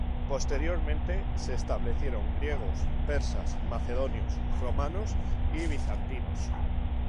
Posteriormente se establecieron griegos, persas, macedonios, romanos y bizantinos.